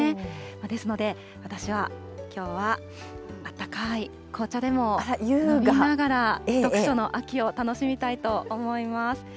ですので、私はきょうはあったかい紅茶でも飲みながら、読書の秋を楽しみたいと思います。